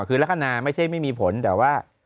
คือลักษณะไม่ใช่ไม่มีผลแต่ว่า